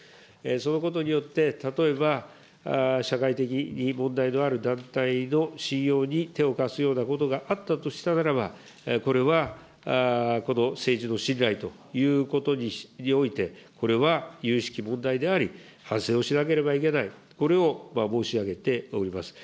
そのことによって、例えば社会的に問題のある団体の信用に手を貸すようなことがあったとしたならば、これは政治の信頼ということにおいて、これはゆゆしき問題であり、反省をしなければいけない、これを申し上げております。